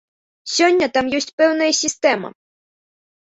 Сёння там ёсць пэўная сістэма.